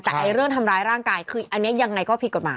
แต่เรื่องทำร้ายร่างกายคืออันนี้ยังไงก็ผิดกฎหมาย